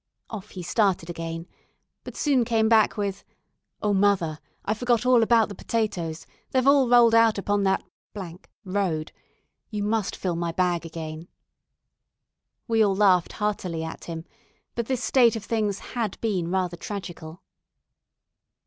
Off he started again, but soon came back with, "Oh, mother, I forgot all about the potatoes; they've all rolled out upon that road; you must fill my bag again." We all laughed heartily at him, but this state of things had been rather tragical.